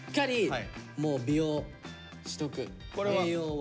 栄養を。